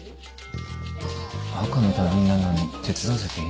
赤の他人なのに手伝わせていいのか？